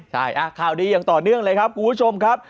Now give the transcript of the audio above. ใช่ข่าวดีอย่างต่อเนื่องเลยครับคุณผู้ชมครับ